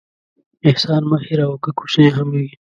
احسان مه هېروه، که کوچنی هم وي.